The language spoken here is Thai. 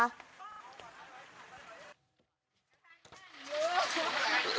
มาอยู่